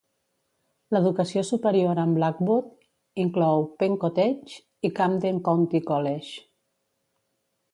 L'educació superior en Blackwood inclou Pennco Tech i Camden County College.